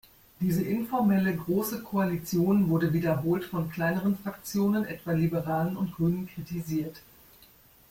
Diese informelle „Große Koalition“ wurde wiederholt von kleineren Fraktionen, etwa Liberalen und Grünen, kritisiert.